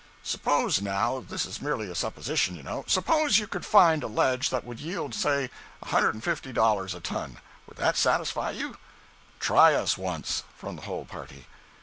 "Suppose, now—this is merely a supposition, you know—suppose you could find a ledge that would yield, say, a hundred and fifty dollars a ton—would that satisfy you?" "Try us once!" from the whole party.